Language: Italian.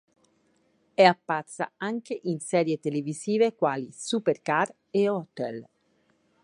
È apparsa anche in serie televisive quali "Supercar" e "Hotel".